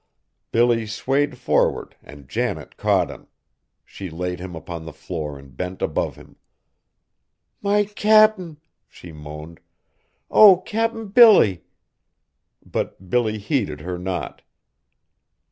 Billy swayed forward and Janet caught him. She laid him upon the floor and bent above him. "My Cap'n!" she moaned, "oh! Cap'n Billy!" But Billy heeded her not.